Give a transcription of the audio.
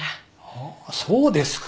ああっそうですか。